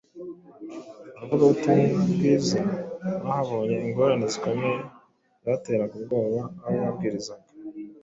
abavugabutumwa bwiza bahabonye ingorane zikomeye zateraga ubwoba abo babwirizaga